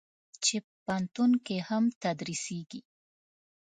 چې په پوهنتون کې هم تدریسېږي.